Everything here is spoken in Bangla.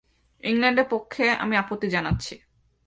ইংল্যান্ডের পক্ষে, আমি আপত্তি জানাচ্ছি।